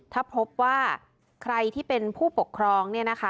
ถ้าพบว่าใครที่เป็นผู้ปกครอง